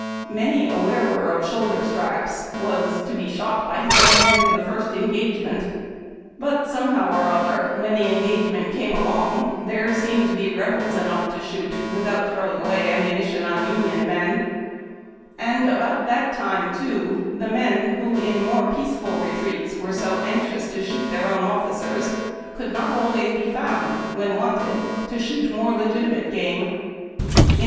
Many a wearer of shoulder straps was to be shot by his own men in the first en gagement. But, somehow or other, when the engagement came alono there seemed to be Rebels enough to shoot without throwing away ammunition on Union men ; and about that time too the men, who in more peaceful retreats were so anxious to shoot their own officers, could not always be found, when wanted, to shoot more legitimate ON THE CHINES. gauie.